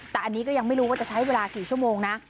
แต่อันนี้ก็ยังไม่รู้ว่าจะใช้เวลากี่ชั่วโมงนะ